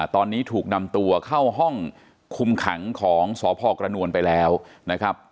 ตอนนี้ถูกนำตัวเข้าห้องคุมขังของสพกระนวลไปแล้วนะครับ